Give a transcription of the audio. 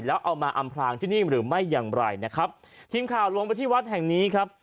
แล้วเอามาอำพลางที่นี่หรือไม่อย่างไรนะครับทีมข่าวลงไปที่วัดแห่งนี้ครับ